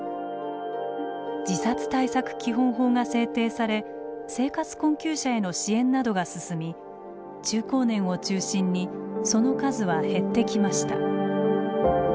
自殺対策基本法が制定され生活困窮者への支援などが進み中高年を中心にその数は減ってきました。